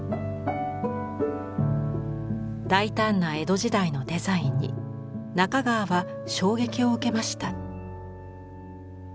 大胆な江戸時代のデザインに中川は衝撃を受けました。